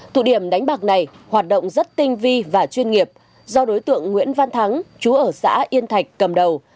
thủ điểm đánh bạc này hoạt động rất tinh vi và chuyên nghiệp do đối tượng nguyễn văn thắng chú ở xã yên thạch cầm đầu